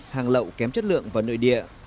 hàng lậu kém chất lượng vào nội địa